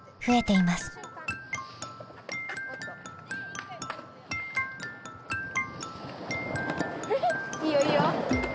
いいよいいよ。